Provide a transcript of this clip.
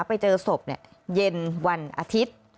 ไปเจอศพเย็นวันอาทิตย์